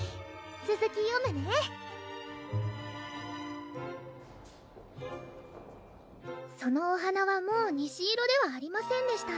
つづき読むね「そのお花はもう虹色ではありませんでした」